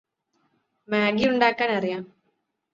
മാഗിയുണ്ടാക്കാൻ അറിയാം